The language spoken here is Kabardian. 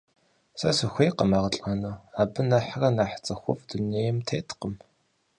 Сэ сыхуейкъым ар лӀэну, абы нэхърэ нэхъ цӀыхуфӀ дунейм теткъым.